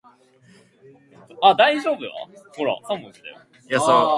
This ride attracts thousands of mountain bikers from Seattle and elsewhere each year.